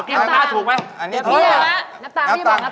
เมื่อกี้อย่างนั้นถูกไหม